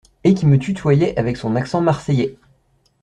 Et qui me tutoyait avec son accent marséyais !…